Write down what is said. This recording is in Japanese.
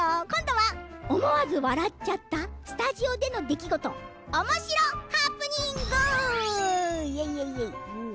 今度は思わず笑っちゃったスタジオでの出来事おもしろハプニング。